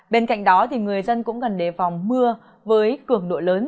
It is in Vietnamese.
bên cạnh đó người dân cũng cần đề phòng mưa với cường độ lớn